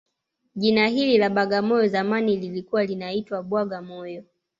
Jina hili la bagamoyo zamani lilikuwa linaitwa Bwagamoyo